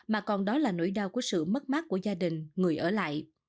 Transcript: mà còn đó là nỗi đau của sự mất mát của gia đình người ở lại